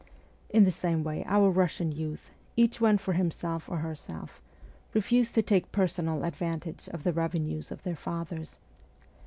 In the same way our Russian youth, each one for himself or herself, refused to take personal advan tage of the revenues of their fathers.